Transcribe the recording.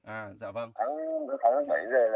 à dạ vâng